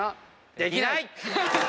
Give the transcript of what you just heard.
できない。